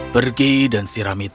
pergi dan sirami tanah